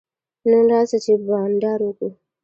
نن راسه چي بانډار وکو.